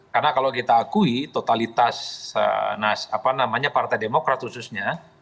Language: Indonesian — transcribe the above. karena kalau kita akui totalitas apa namanya partai demokrat khususnya